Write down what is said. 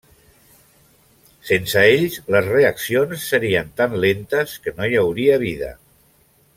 Sense ells les reaccions serien tan lentes que no hi hauria vida.